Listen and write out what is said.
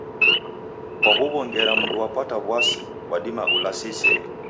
Kwahuwo ngera mndu wapata wasi wadima ulase iseghe